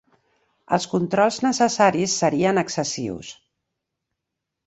Els controls necessaris serien excessius.